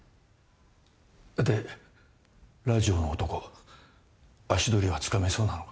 でラジオの男足取りはつかめそうなのか？